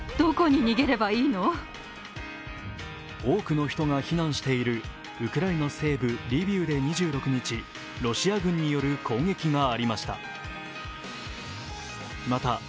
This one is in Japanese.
多くの人が避難しているウクライナ西部リビウで２６日、ロシア軍による攻撃がありました。